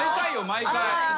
毎回。